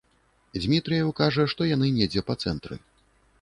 Дзмітрыеў кажа, што яны недзе па цэнтры.